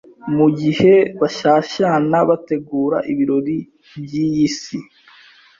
mu gihe bashyashyana bategura ibirori by’iyi si.